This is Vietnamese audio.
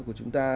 của chúng ta